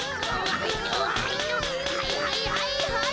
はいはいはいはい！